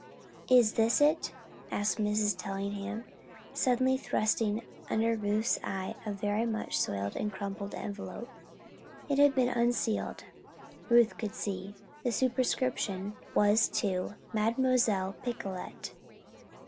"Is this it?" asked Mrs. Tellingham, suddenly thrusting under Ruth's eye a very much soiled and crumpled envelope. And it had been unsealed, Ruth could see. The superscription was to "Mademoiselle Picolet."